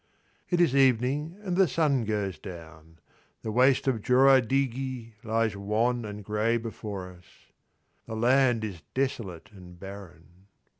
It is evening and the sun goes down. The waste of Joradighi lies wan and grey before us. The land is desolate and barren.